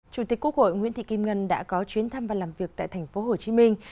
chủ tịch quốc hội nguyễn thị kim ngân đã có chuyến thăm và làm việc tại thành phố hồ chí minh